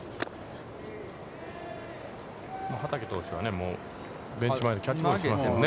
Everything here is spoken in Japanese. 畠投手は、ベンチ前でキャッチボールしていますね。